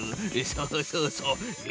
そうそうそうよし。